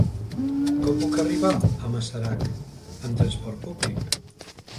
Com puc arribar a Masarac amb trasport públic?